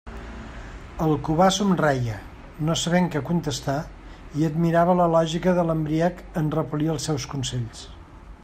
El Cubà somreia, no sabent què contestar, i admirava la lògica de l'embriac en repel·lir els seus consells.